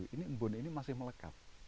ini embun ini masih melekat